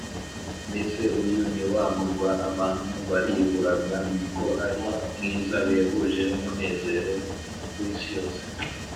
Mbese uyu ni wa murwa abantu bariburaga, Ko ari mwiza bihebuje n’umunezero w’isi yose?”